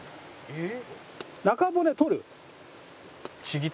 「えっ？」